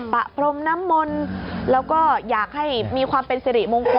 พรมน้ำมนต์แล้วก็อยากให้มีความเป็นสิริมงคล